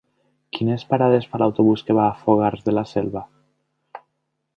Quines parades fa l'autobús que va a Fogars de la Selva?